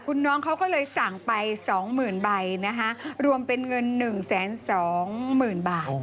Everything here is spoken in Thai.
คุณน้องเขาก็เลยสั่งไป๒๐๐๐ใบนะคะรวมเป็นเงิน๑๒๐๐๐บาท